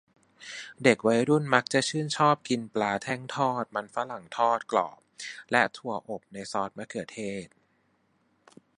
เด็กวัยรุ่นมักจะชื่นชอบกินปลาแท่งทอด มันฝรั่งทอดกรอบ และถั่วอบในซอสมะเขือเทศ